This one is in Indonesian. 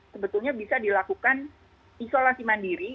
sebetulnya bisa dilakukan isolasi mandiri